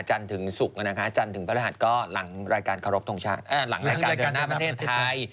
จันทึงศุกร์นะฮะจันทึงพระราชก็หลังรายการเดินหน้าประเทศไทย